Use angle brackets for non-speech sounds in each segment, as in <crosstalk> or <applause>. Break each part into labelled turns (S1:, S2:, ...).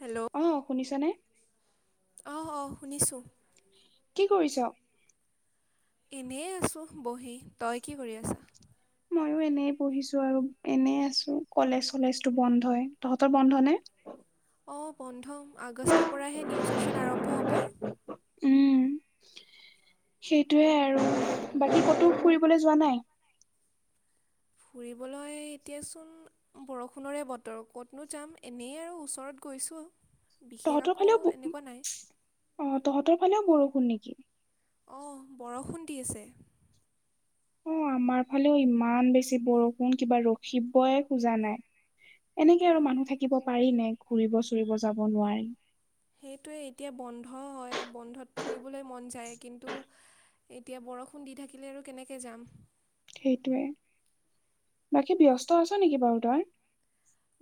S1: Hello
S2: অ শুনিছা নে?
S1: অহ অহ শুনিছো
S2: কি কৰিছ?
S1: এনেই আছোঁ বহি তই কি কৰি আছা?
S2: ময়ো এনেই বহিছোঁ আৰু এনেই আছো কলেজ চলেজটো বন্ধয় তহঁতৰ বন্ধ নে?
S1: অ বন্ধ আগষ্টৰ পৰাহে নিউ ছেশ্যন আৰম্ভ হ'ব।
S2: উম সেইটোয়ে আৰু বাকী কতো ফুৰিবলৈ যোৱা নাই?
S1: ফুৰিবলৈ এতিয়াচোন বৰষুণৰে বতৰ ক'তনো যাম এনেই আৰু ওচৰত গৈছো
S2: তহঁতৰ ফালেও অ তহঁতৰ ফালেও বৰষুণ নেকি?
S1: অ বৰষুণ দি আছে
S2: অ আমাৰ ফালেও ইমান বেছি বৰষুণ কিবা ৰখিবয় খোজা নাই।
S1: তাকে
S2: এনেকে আৰু মানুহ থাকিব পাৰি নে ঘুৰিব চুৰিব যাব নোৱাৰি
S1: সেইটোৱে এতিয়া বন্ধ হয় বন্ধত ফুৰিবলৈ মন যায় কিন্তু এতিয়া বৰষুণ দি থাকিলে আৰু কেনেকে যাম
S2: সেইটোৱে বাকী ব্যস্ত আছ নেকি বাও তই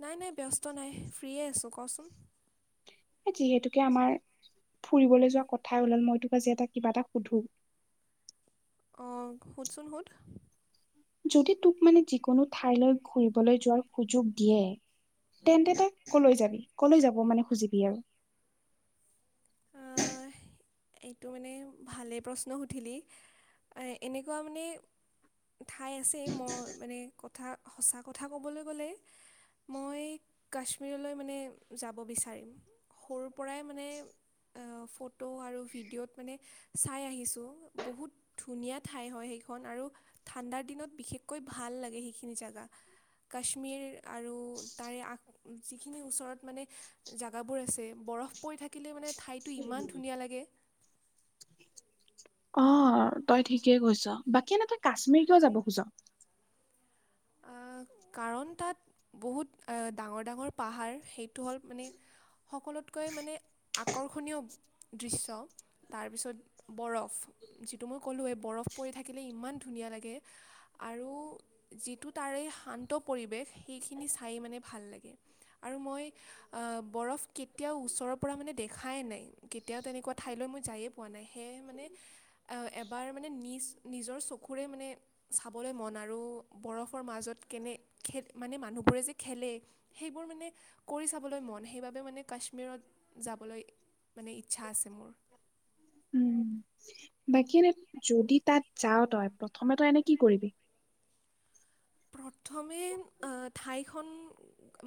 S1: নাই নাই ব্যস্ত নাই ফ্ৰীয়ে আছোঁ কচোন
S2: যিহেতোকে আমাৰ ফুৰিবলৈ যোৱা কথাই ওলাল মই তোক আজি এটা কিবা এটা সুধো
S1: অ সুধচোন সুধ
S2: যদি তোক মানে যিকোনো ঠাইলৈ ঘুৰিবলৈ যোৱাৰ সুযোগ দিয়ে তেন্তে তাক কলৈ যাবি, কলৈ যাব মানে খুজিবি আও
S1: আহ,
S2: <unintelligible>
S1: এইটো মানে ভালে প্ৰশ্ন সুধিলি এনেকুৱা মানে ঠাই আছে মই মানে কথা সঁচা কথা ক'বলৈ গ'লে মই কাশ্মীৰলৈ মানে যাব বিচাৰিম, সৰুৰ পৰাই মানে এ ফটো আৰু ভিডিঅ'ত মানে চাই আহিছোঁ বহুত ধুনীয়া ঠাই হয় সেইখন আৰু ঠাণ্ডাৰ দিনত বিশেষকৈ ভাল লাগে সেইখিনি জেগা কাশ্মীৰ আৰু তাৰে আশ যিখিনি ওচৰত মানে জেগাবোৰ আছে বৰফ পৰি থাকিলে মানে ঠাইটো ইমান ধুনীয়া লাগে।
S2: অ তই ঠিকেই কৈছ বাকি এনে তই কাশ্মীৰ কিয় যাব খোজ
S1: আ কাৰণ তাত বহুত ডাঙৰ ডাঙৰ পাহাৰ সেইটো হ'ল মানে সকলোতকৈ মানে আকৰ্ষণীয় দৃশ্য তাৰপিছত বৰফ যিটো মই ক'লোৱেই বৰফ পৰি থাকিলে ইমান ধুনীয়া লাগে। আৰু যিটো তাৰে শান্ত পৰিৱেশ সেইখিনি চাই মানে ভাল লাগে আৰু মই আ বৰফ কেতিয়াও ওচৰৰ পৰা মানে দেখাই নাই কেতিয়াও তেনেকোৱা ঠাইলৈ মই যাইয়ে পোৱা নাই সে মানে অ এবাৰ মানে নিজ নিজৰ চকুৰে মানে চাবলৈ মন আৰু বৰফৰ মাজত কেনে খে মানে মানুহবোৰে যে খেলে! সেইবোৰ মানে কৰি চাবলৈ মন, সেইবাবে মানে কাশ্মীৰত যাবলৈ মানে ইচ্ছা আছে মোৰ।
S2: উম বাকী এনে যদি তাত যাওঁ তই প্ৰথমে তই এনে কি কৰিবি?
S1: প্ৰথমে আ ঠাই খন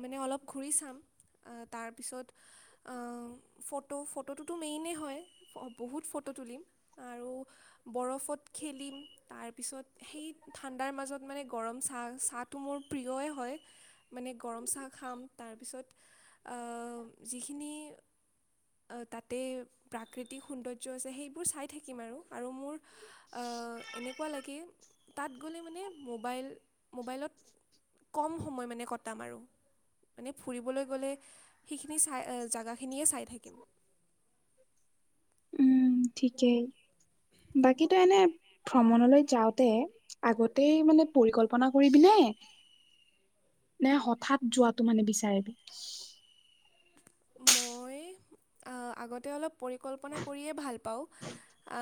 S1: মানে অলপ ঘূৰি চাম তাৰপিছত আ ফটো ফটোটোতো মেইনে হয়। বহুত ফটো তুলিম। আৰু বৰফত খেলিম, তাৰপিছত সেই ঠাণ্ডাৰ মাজত মানে গৰম চাহ চাহটো মোৰ প্ৰিয়ই হয়। মানে গৰম চাহ খাম, তাৰপিছত আ যিখিনি তাতে প্ৰাকৃতিক সৌন্দৰ্য আছে, সেইবোৰ চাই থাকিম আৰু। আৰু মোৰ অ এনেকুৱা লাগে, তাত গ'লে মানে মোবাইল মোবাইলত, কম সময় মানে কটাম আৰু। মানে ফুৰিবলৈ গ'লে, সেইখিনি চাই জাগাখিনিয়ে চাই থাকিম।
S2: উম ঠিকেই, বাকীতো এনে ভ্ৰমণলৈ যাওঁতে, আগতেই মানে পৰিকল্পনা কৰিবি নে নে হঠাৎ যোৱাটো মানে বিচাৰিবি?
S1: মই, আগতে অলপ পৰিকল্পনা কৰিয়েই ভাল পাওঁ আ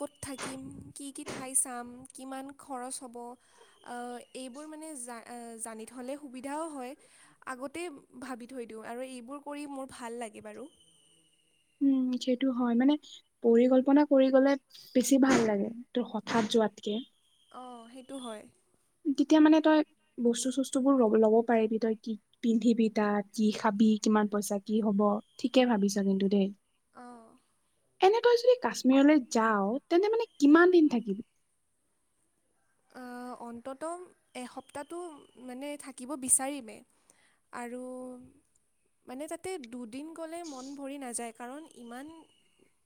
S1: ক'ত থাকিম, কি-কি ঠাই চাম, কিমান খৰচ হব অ এইবোৰ মানে জা-জানি থলে সুবিধাও হয়, আগতেই ভাবি থৈ দিওঁ আৰু এইবোৰ কৰি মোৰ ভাল লাগে বাৰু।
S2: উম যিসেটো হয়, মানে পৰিকল্পনা কৰি গলে বেছি ভাল লাগে, তোৰ হঠাৎ যোৱাতকে।
S1: অঁ সেইটো হয়।
S2: তেতিয়া মানে তই বস্তু-চস্তু বোৰ ল ল'ব পাৰিবি, তই পিন্ধিবি তাত, কি খাবি, কিমান পইচা কি হব, ঠিকে ভাবিছ কিন্তু দে।
S1: অঁ।
S2: এনে তইযদি কাশ্মীৰলৈ যাও, তেন্তে মানে কিমান দিন থাকিবি?
S1: অন্তত এসপ্তাহটো, মানে থাকিব বিচাৰিমেই আৰু মানে তাতে দুদিন গ'লে মন ভৰি নাযায়। কাৰণ ইমান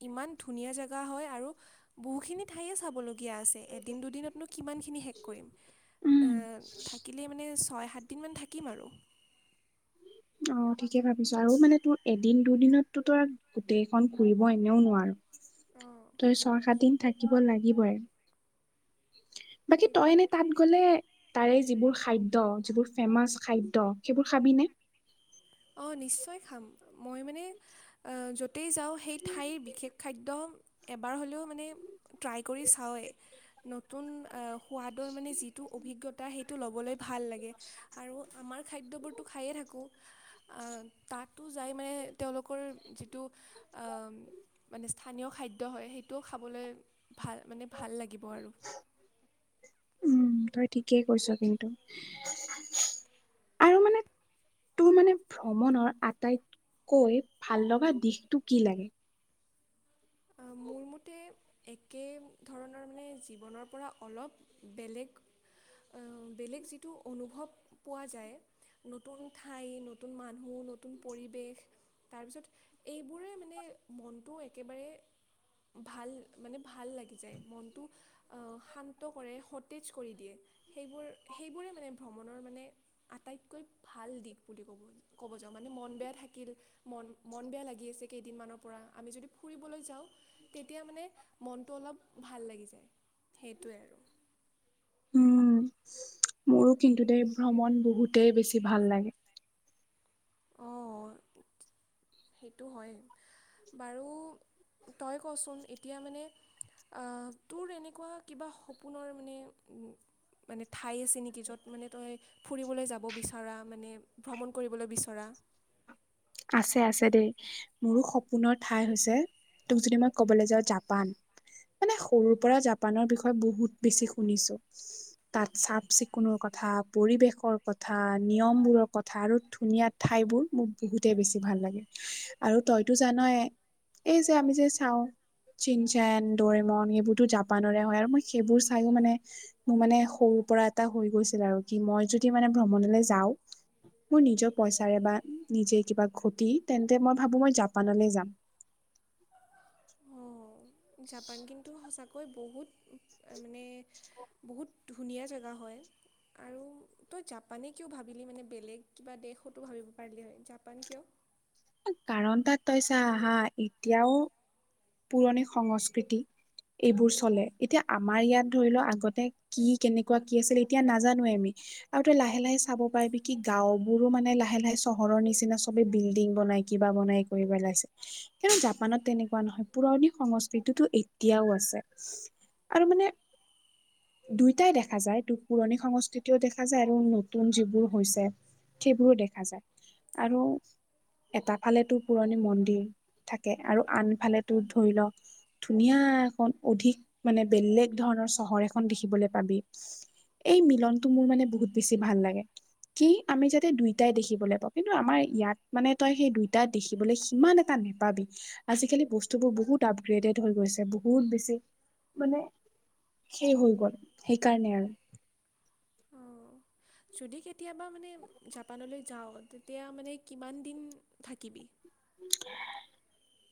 S1: ইমান ধুনীয়া জেগা হয় আৰু বহুখিনি ঠাইয়ে চাবলগীয়া দিয়া আছে। এদিন দুদিনতনো কিমান খিনি শেষ কৰিম।
S2: উম,
S1: এ থাকিলে মানে ছয়-সাত দিনমান থাকিম আৰু।
S2: অ ঠিকে ভাবিছ আৰু মানে তোৰ এদিন দুদিনততো তই গোটেইখন ফুৰিব এনেও নোৱাৰ।
S1: অঁ।
S2: তই ছয়-সাত দিন থাকিব লাগিবই। বাকী তই
S1: সেইটোৱে
S2: এনে তাত গ'লে তাৰে যিবোৰ খাদ্য, যিবোৰ ফেমাচ খাদ্য, সেইবোৰ খাবিনে?
S1: অঁ নিশ্চয় খাম। মই মানে যটেই যাওঁ সেই ঠাইৰ বিশেষ খাদ্য এবাৰ হ'লেও মানে ট্ৰাই কৰি চাওঁৱেই। নতুন আহ সোৱাদৰ মানে যিটো অভিজ্ঞ তাৰ সেইটো ল'বলৈ ভাল লাগে আৰু আমাৰ খাদ্যবোৰতো খায়ে থাকোঁ। তাতো যাই মানে তেওঁলোকৰ যিটো অঁ মানে স্থানীয় খাদ্য হয়, সেইটোও খাবলৈ ভাল মানে ভাল লাগিব আৰু।
S2: উম তই ঠিকেই কৈছ কিন্তু আৰু মানে তোৰ মানে ভ্ৰমণৰ আটাইতকৈ ভাল লগা দিশটো কি লাগে?
S1: আ মোৰ মতে একে ধৰণৰ মানে জীৱনৰ পৰা অলপ বেলেগ বেলেগ যিটো অনুভৱ পোৱা যায়, নতুন ঠাই, নতুন মানুহ, নতুন পৰিৱেশ তাৰপিছত এইবোৰে মানে মনটো একেবাৰে ভাল মানে ভাল লাগি যায়, মনটো অ' শান্ত কৰে সতেজ কৰি দিয়ে। সেইবোৰ সেইবোৰে মানে ভ্ৰমণৰ মানে আটাইতকৈ ভাল দিশ বুলি ক'ব, ক'ব যাওঁ মানে মন বেয়া থাকিল মন-মন বেয়া লাগি আছে কেইদিনমানৰ পৰা আমি যদি ফুৰিবলৈ যাওঁ। তেতিয়া মানে মনটো অলপ ভাল লাগি যায়। সেইটোৱে আৰু
S2: উম মোৰো কিন্তু দেই ভ্ৰমণ বহুতেই বেছি ভাল লাগে।
S1: অ' সেইটো হয় বাৰু তই কচোন এতিয়া মানে অ' তোৰ এনেকুৱা কিবা সপোনৰ মানে মানে ঠাই আছে নেকি য'ত মানে তই ফুৰিবলৈ যাব বিচৰা মানে ভ্ৰমণ কৰিবলৈ বিচৰা? ধৰা
S2: আছে-আছে দেই। মোৰো সপোনৰ ঠাই হৈছে তোক যদি মই ক'বলৈ যাওঁ জাপান। মানে সৰুৰ পৰা জাপানৰ বিষয়ে বহুত বেছি শুনিছোঁ। তাত চাফ চিকুণৰ কথা, পৰিৱেশৰ কথা, নিয়ম বোৰৰ কথা আৰু ধুনীয়া ঠাইবোৰ মোৰ বহুতে বেছি ভাল লাগে আৰু তইতো জানই এই যে আমি যে চাওঁ চিনচেন ড'ৰেমন এইবোৰতো জাপানৰে হয় আৰু মই সেইবোৰ চায়ো মানে মোৰ মানে সৰু পৰা এটা হৈ গৈছিল আৰু কি মই যদি মানে ভ্ৰমণলৈ যাওঁ। মোৰ নিজৰ পইচাৰে বা নিজে কিবা ঘটি তেন্তে মই ভাবোঁ মই জাপানলৈ যাম।
S1: অঁ, জাপান কিন্তু সঁচাকৈ বহুত মানে বহুত ধুনীয়া জেগা হয়। আৰু
S2: <inaudible>
S1: তই জাপানে কিয় ভাবিলি মানে বেলেগ কিবা দেশতো ভাবিব পাৰিলি হয়, জাপান কিয়?
S2: কাৰণ তাত তই চা হা এতিয়াও পুৰণি সংস্কৃতি এইবোৰ চলে এতিয়া আমাৰ ইয়াত ধৰিল আগতে কি কেনেকুৱা কি আছিল এতিয়া নাজানোৱে আমি। আৰু তই লাহে-লাহে চাব পাৰিবি কি গাঁওবোৰো মানে লাহে-লাহে চহৰৰ নিচিনা চবে বিল্ডিং বনাই কিবা বনাই কৰি পেলাইছে, কিন্তু জাপানত তেনেকুৱা নহয়। পুৰণি সংস্কৃতিতো এতিয়াও আছে আৰু মানে দুইটাই দেখা যায়টো পুৰণি সংস্কৃতিও দেখা যায় আৰু নতুন যিবোৰ হৈছে। সেইবোৰ দেখা যায় আৰু এটা ফালে তোৰ পুৰণি মন্দিৰ থাকে আৰু আনফালে তোৰ ধৰিল ধুনীয়া এখন অধিক মানে বেলেগ ধৰণৰ চহৰ এখন দেখিবলৈ পাবি। এই মিলনতটো মোৰ মানে বহুত বেছি ভাল লাগে। কি আমি যাতে দুইটাই দেখিবলৈ পাওঁ। কিন্তু আমাৰ ইয়াত মানে তই সেই দুইটা দেখিবলৈ সিমান এটা নাপাবি। আজিকালি বস্তু বস্তুবোৰ বহুত আপগ্ৰেডেড হৈ গৈছে। বহুত বেছি মানে সেই হৈ গ'ল সেইকাৰণে আৰু
S1: অঁ, যদি কেতিয়াবা মানে জাপানলৈ যাওঁ তেতিয়া মানে কিমান দিন থাকিবি?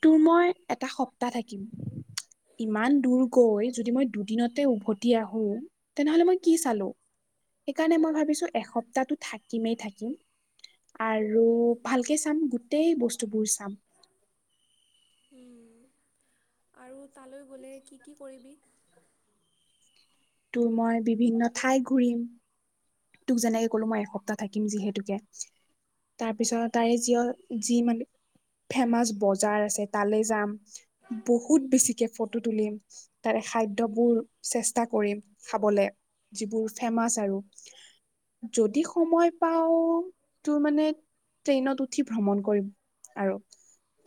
S2: তোৰ মই এটা সপ্তাহ থাকিম। ইমান দূৰ গৈ যদি মই দুদিনতে উভতি আহো তেনেহ'লে মই কি চালো। সেইকাৰণে মই ভাবিছোঁ এসপ্তাহটো থাকিমেই থাকিম আৰু ভালকে চাম গোটেই বস্তুবোৰ চাম।
S1: উম আৰু তালৈ গ'লে কি-কি কৰিবি?
S2: তোৰ মই বিভিন্ন ঠাই ঘূৰিম। তোক যেনেকে ক'লো মই এসপ্তাহ থাকিম যিহেতুকে। তাৰপিছত তাৰে যি অ' যি মানে ফেমাচ বজাৰ আছে তালৈ যাম, বহুত বেছিকে ফটো তুলিম। তাৰে খাদ্যবোৰ চেষ্টা কৰিম খাবলে যিবোৰ ফেমাচ আৰু যদি সময় পাও তোৰ মানে- ট্ৰেইনত উঠি ভ্ৰমণ কৰিম আৰু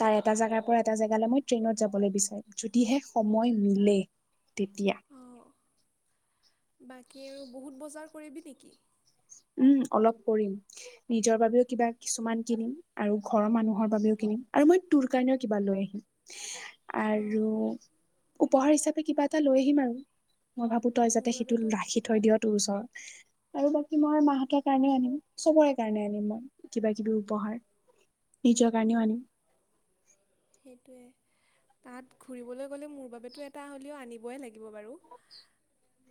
S2: তাৰ এটা জেগাৰ পৰা এটা জেগালৈ মই ট্ৰেইনত যাবলৈ বিচাৰিম যদিহে সময় মিলে তেতিয়া।
S1: অ বাকী আৰু বহুত বজাৰ কৰিবি নেকি?
S2: উম অলপ কৰিম। নিজৰ বাবেও কিবা কিছুমান কিনিম আৰু ঘৰৰ মানুহৰ বাবেও কিনিম আৰু মই- তোৰ কাৰণেও কিবা লৈ আহিম। আৰু
S1: অঁ
S2: উপহাৰ হিচাপে কিবা এটা লৈ আহিম আৰু মই ভাবো তই যাতে
S1: মোৰ
S2: সেইটো
S1: বাবেতো
S2: ৰাখি থৈ দিয় তোৰ ওচৰত আৰু বা- কী মই মাহঁতৰ কাৰণেও আনিম, চবৰে কাৰণে আনিম মই কিবা কিবি উপহাৰ। নিজৰ কাৰণেও
S1: মোৰ
S2: আনিম।
S1: সেইটোৱে তাত ঘুৰিবলৈ গ'লে মোৰ বাবেটো এটা হ'লেও আনিবই লা গিব বাৰু।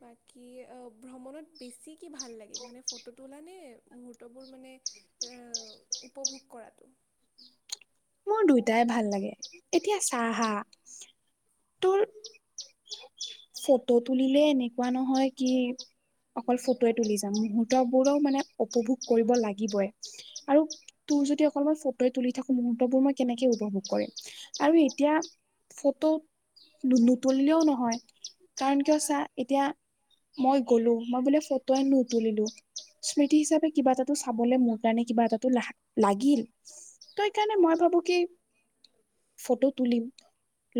S1: বাকী অ ভ্ৰমণত বেছি কি ভাল লাগে মানে ফটো তুলা নে মুহূৰ্তবোৰ মানে- ৰা উপভোগ কৰাতো।
S2: মোৰ দুয়োটাই ভাল লাগে এতিয়া চা হা তোৰ- ফটো তুলিলে এনেকোৱা নহয় কি- অকল ফটোয়ে তুলি যাম মুহুৰ্তবোৰো মানে উপভোগ কৰিব লাগিবই। আৰু তোৰ যদি অকমান ফটোৱে তুলি থাকো মূ- হুত্ববোৰ মই কেনেকে উপভোগ কৰিম আৰু এতিয়া ফটো- নুতুলিলেও নহয়। কাৰণ কিয় চা এতিয়া- মই গ'লো মই বোলে ফটোৱে নুতুলিলো স্মৃতি হিচাপে কিবা এটাতো চাবলে মোৰ কাৰণে কিবা এটাতো লা লাগিল। ত সেইকাৰণে মই ভাবো কি ফটো তুলিম।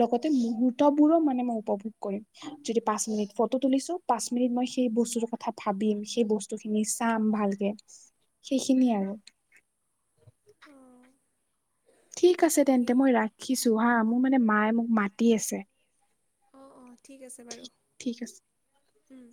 S2: লগতে মুহুৰ্তবোৰো মানে মই উপভোগ কৰিম। যদি পাঁচ মিনিট ফটো তুলিছো পাঁচ মিনিট মই সেই বস্তুৰ কথা ভাবিম, সেই ব ফটো খিনি চাম ভালকে সেইখিনি আৰু।
S1: অঁ
S2: ঠিক আছে তেন্তে
S1: ঠিকেই
S2: মই ৰাখিছো হা মোক মানে মায়ে মোক মাতি আছে।
S1: অ অ ঠিক আছে বাৰু।
S2: ঠিক আছে।
S1: উম।